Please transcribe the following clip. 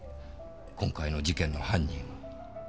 今回の事件の犯人は。